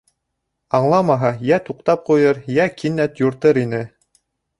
Аңламаһа, йә туҡтап ҡуйыр, йә кинәт юртыр ине.